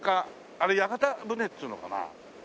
あれ屋形船っていうのかな？